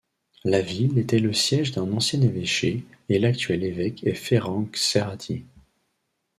La ville était le siège d'un ancien évêché et l'actuel évêque est Ferenc Cserháti.